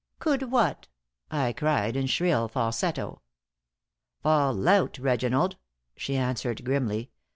"Could what?" I cried, in shrill falsetto. "Fall out, Reginald," she answered, grimly.